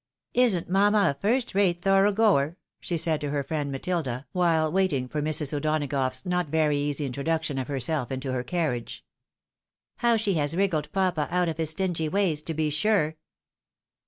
" Isii't mamma a first rate thorough goer ?" she said to her friend Matilda, while waiting for Mrs. O'Donagough's not very easy introduction of herself into her carriage. " How she has wriggled papa out of his stingy ways, to be sure